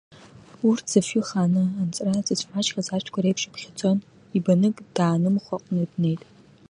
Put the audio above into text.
Урҭ зыфҩы хааны анҵра зыцәмаҷхаз ашәҭқәа реиԥш иԥхьаӡон, ибанык даанымхо аҟны днеит.